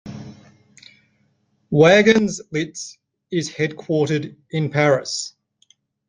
Wagons-Lits is headquartered in Paris.